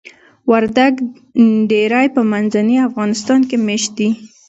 وردګ ډیری په منځني افغانستان کې میشت دي.